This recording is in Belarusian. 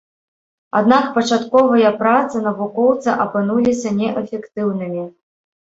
Аднак пачатковыя працы навукоўца апынуліся неэфектыўнымі.